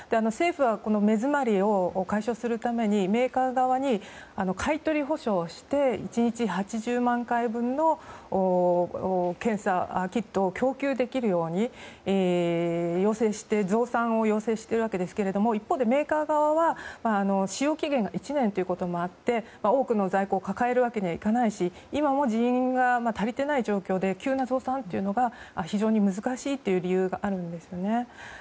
政府はこの目詰まりを解消するためにメーカー側に買い取り保証をして１日８０万回分の検査キットを供給できるように増産を要請しているわけですが一方でメーカー側は使用期限が１年ということもあって多くの在庫を抱えるわけにはいかないし今も人員が足りていない状況で急な増産が非常に難しいという理由があるんですね。